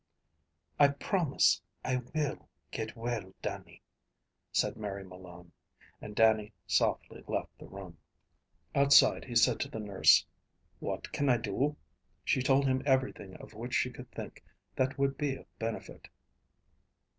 "I promise I will get well, Dannie," said Mary Malone, and Dannie softly left the room. Outside he said to the nurse, "What can I do?" She told him everything of which she could think that would be of benefit.